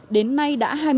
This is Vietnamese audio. đến nay đã hai mươi bảy